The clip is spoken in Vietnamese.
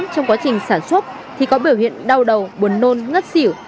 trong quá trình sản xuất thì có biểu hiện đau đầu buồn nôn ngất xỉu